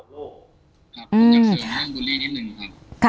ครับผมอยากข่าวแห้งบุลลี่นิดนึงครับ